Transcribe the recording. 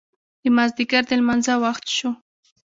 د مازدیګر د لمانځه وخت شو.